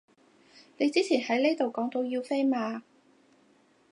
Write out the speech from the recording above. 你之前喺呢度講要飛嘛